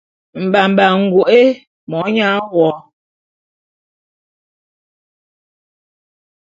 Mbamba’a ngoke monyang wo;